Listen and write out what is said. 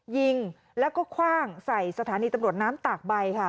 ยิงแล้วก็คว่างใส่สถานีตำรวจน้ำตากใบค่ะ